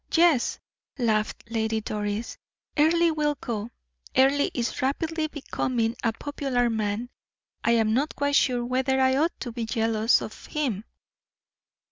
"Yes," laughed Lady Doris, "Earle will go. Earle is rapidly becoming a popular man. I am not quite sure whether I ought not to be jealous of him.